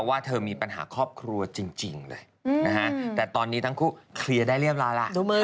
ว่าเธอมีปัญหาครอบครัวจริงเลยนะฮะแต่ตอนนี้ทั้งคู่เคลียร์ได้เรียบร้อยล่ะ